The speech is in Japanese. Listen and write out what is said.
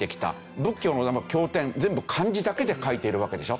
仏教の経典全部漢字だけで書いているわけでしょ。